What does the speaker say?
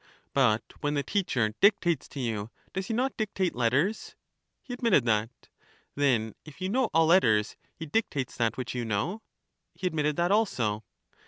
But when the teacher dictates to you, does he not dictate letters? He admitted that. Then if you know all letters, he dictates that which you know? EUTHYDEMUS 229 He admitted that also.